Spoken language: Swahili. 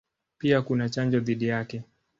Pia kuna chanjo dhidi yake.